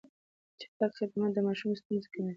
چټک خدمت د ماشوم ستونزې کموي.